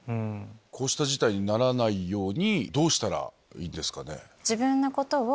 こうした事態にならないようにどうしたらいいですか？